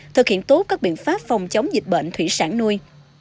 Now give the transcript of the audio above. thực hiện tốt các biện pháp phòng chống dịch bệnh thủy sản nuôi